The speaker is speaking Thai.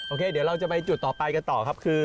เดี๋ยวเราจะไปจุดต่อไปกันต่อครับคือ